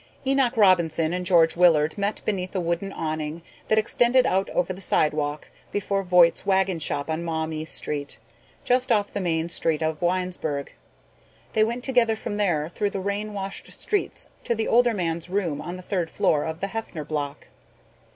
Enoch Robinson and George Willard met beneath a wooden awning that extended out over the sidewalk before Voight's wagon shop on Maumee Street just off the main street of Winesburg. They went together from there through the rain washed streets to the older man's room on the third floor of the Heffner Block.